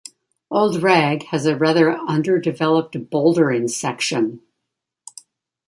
Old Rag has a rather underdeveloped bouldering section.